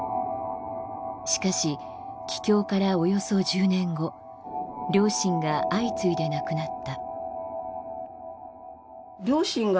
しかし帰郷からおよそ１０年後両親が相次いで亡くなった。